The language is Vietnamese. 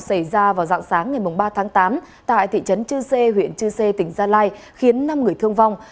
xảy ra vào dạng sáng ngày ba tháng tám tại thị trấn chư sê huyện chư sê tỉnh gia lai khiến năm người thương vong